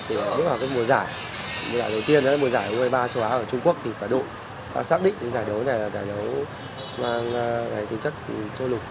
nếu mà có mùa giải mùa giải đầu tiên là mùa giải u hai mươi ba châu á ở trung quốc thì cả đội đã xác định giải đấu này là giải đấu mang tính chất châu lục